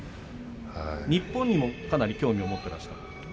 日本にもかなり興味を持っていらしたと。